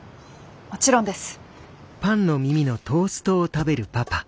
もちろんです。